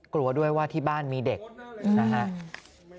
กลัวด้วยว่าที่บ้านมีเด็กนะครับ